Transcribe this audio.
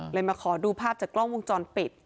นี่ค่ะเลยมาขอดูภาพจากกล้องวงจรปิด